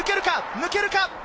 抜けるか？